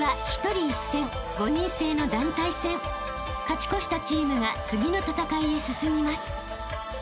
［勝ち越したチームが次の戦いへ進みます］